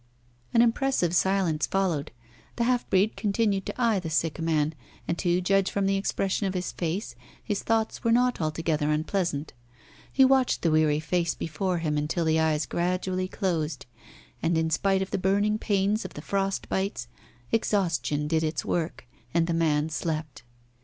An impressive silence followed. The half breed continued to eye the sick man, and, to judge from the expression of his face, his thoughts were not altogether unpleasant. He watched the weary face before him until the eyes gradually closed, and, in spite of the burning pains of the frost bites, exhaustion did its work, and the man slept.